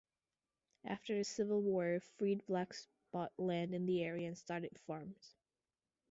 After the Civil War, freed blacks bought land in the area and started farms.